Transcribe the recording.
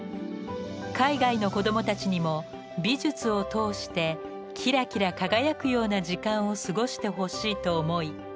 海外の子供たちにも美術を通してきらきら輝くような時間を過ごしてほしいと思い